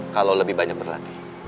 kalau lebih banyak berlatih